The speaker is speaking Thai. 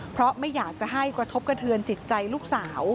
เพราะไม่อยากจะให้กระทบกระเทือนจิตใจลูกสาว